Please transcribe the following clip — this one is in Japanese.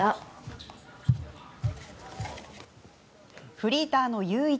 フリーターの裕一。